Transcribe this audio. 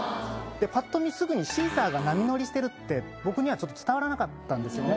パッと見すぐにシーサーが波乗りしてるって僕には伝わらなかったんですよね。